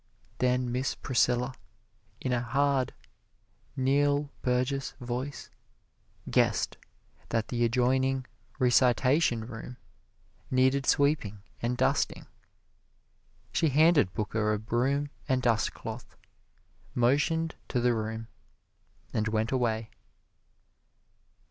Then Miss Priscilla, in a hard, Neill Burgess voice, "guessed" that the adjoining recitation room needed sweeping and dusting. She handed Booker a broom and dust cloth, motioned to the room, and went away.